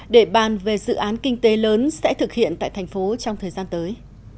để bàn về dự án kinh tế lớn sẽ thực hiện tại thành phố trong thời gian tới